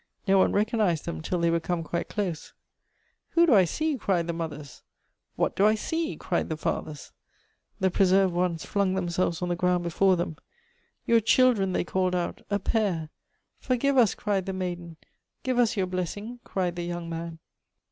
No one recognized them till they were come quite close. ' Who do I see ?' cried the mothers. ' What do I see ?' cried the fathers. The preserved ones flung themselves on the ground before them. ' Your children,' they called out; 'a pair.' 'Forgive us !' cried the maiden. 'Give us your blessing!' cried the young man.